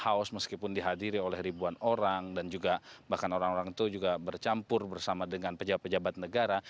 haus meskipun dihadiri oleh ribuan orang dan juga bahkan orang orang itu juga bercampur bersama dengan pejabat pejabat negara